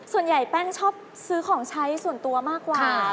ส่วนใหญ่แป้งชอบซื้อของใช้ส่วนตัวมากกว่า